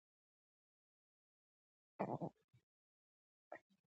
دا میوه د بدن د اوبو کموالی پوره کوي.